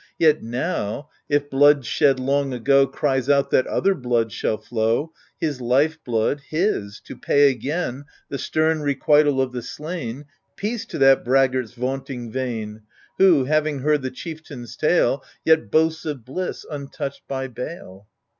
Yet now — if blood shed long ago Cries out that other blood shall flow — His life blood, his, to pay again The stem requital of the slain — Peace to that braggart's vaunting vain, Who, having heard the chieftain's tale, Yet boasts of bliss untouched by bale